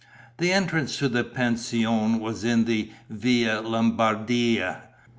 The entrance to the pension was in the Via Lombardia.